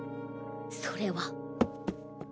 それは。